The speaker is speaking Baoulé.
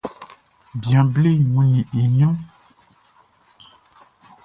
Bian bleʼn wunnin i ɲrunʼn.